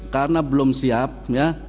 karena belum siap ya